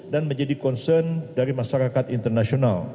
menjadi concern dari masyarakat internasional